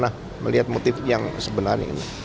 nah melihat motif yang sebenarnya ini